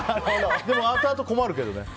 でも、あとあと困るけどね。